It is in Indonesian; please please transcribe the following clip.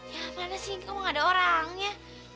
ya mana sih ini kok gak ada orangnya